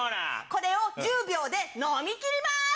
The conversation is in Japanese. これを１０秒で飲みきります！